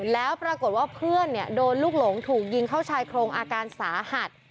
แล้วปรากฏว่าเพื่อนโดนลูกหลงถูกยิงเข้าชายโครงอาการสาหัส